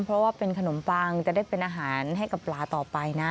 เพราะว่าเป็นขนมปังจะได้เป็นอาหารให้กับปลาต่อไปนะ